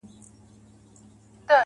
• زه چـي په باندي دعوه وكړم.